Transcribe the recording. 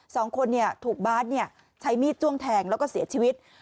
สองคนเนี่ยถูกบาดเนี่ยใช้มีดจ้วงแทงแล้วก็เสียชีวิต